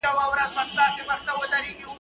تاریخي قهرمانان د ملت ویاړ دي